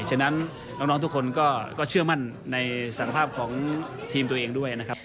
ฉะนั้นน้องทุกคนก็เชื่อมั่นในศักภาพของทีมตัวเองด้วยนะครับ